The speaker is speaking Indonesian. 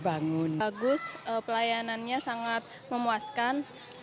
bagus pelayanannya sangat memuaskan